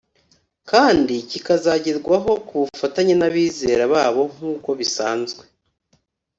kandi kikazagerwaho ku bufatanye n’abizera babo nk’uko bisanzwe